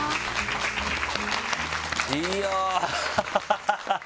いやぁハハハハ！